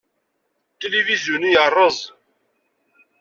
Tilivizyu-nni yerreẓ.